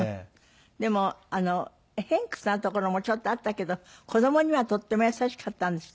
でも偏屈なところもちょっとあったけど子供にはとっても優しかったんですって？